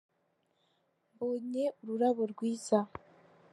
Mbonye ururabo rwiza.